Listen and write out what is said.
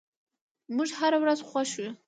موږ هره ورځ خوښ یو.